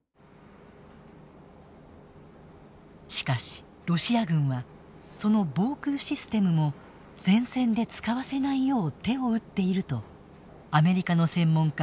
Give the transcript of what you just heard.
しかし、ロシア軍はその防空システムも前線で使わせないよう手を打っているとアメリカの専門家